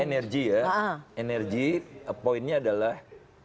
energi ya energi poinnya adalah